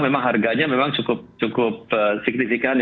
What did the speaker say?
memang harganya cukup signifikan